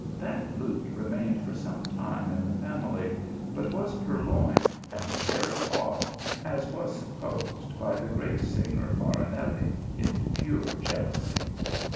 That lute remained for some time in the family, but was pur loined and carried off, as was supposed, by the great singer Farinelli, in pure jealousy.